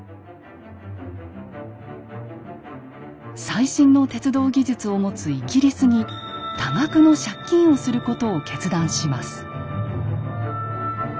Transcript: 最新の鉄道技術を持つイギリスに多額の借金をすることを決断します。